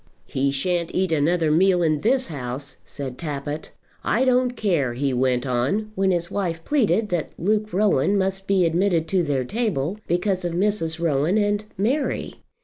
"He shan't eat another meal in this house," said Tappitt. "I don't care," he went on, when his wife pleaded that Luke Rowan must be admitted to their table because of Mrs. Rowan and Mary.